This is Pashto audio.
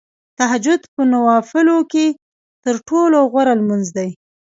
تهجد په نوافلو کې تر ټولو غوره لمونځ دی .